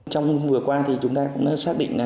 trong hôm vừa qua thì chúng ta cũng đã xác định là